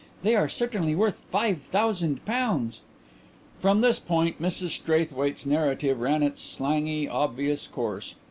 They are certainly worth five thousand pounds.'" From this point Mrs Straithwaite's narrative ran its slangy, obvious course.